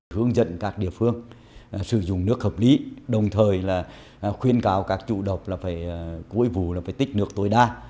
hướng dẫn các địa phương sử dụng nước hợp lý đồng thời khuyên cáo các chủ độc phải cối vù tích nước tối đa